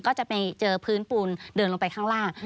ก็จะไปเจอพื้นปูนเดินลงไปข้างล่าง